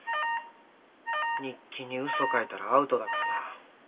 日記に嘘書いたらアウトだからな。